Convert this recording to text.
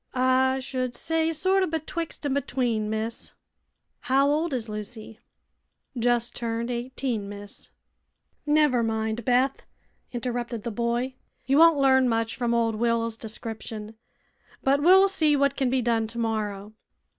"I should say sorter betwixt an' between, miss." "How old is Lucy?" "Jes' turned eighteen, miss." "Never mind, Beth," interrupted the boy; "you won't learn much from old Will's description. But we'll see what can be done tomorrow.